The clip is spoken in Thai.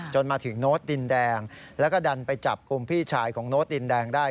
มาถึงโน้ตดินแดงแล้วก็ดันไปจับกลุ่มพี่ชายของโน้ตดินแดงได้